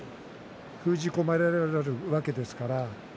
封じ込められるわけですから。